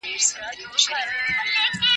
حنفي فقه په اسلامي نړۍ کي معتبره ده.